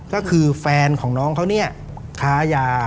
ก็คือแฟนของน้องเขาเนี่ยค้ายา